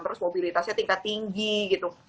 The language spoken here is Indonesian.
terus mobilitasnya tingkat tinggi gitu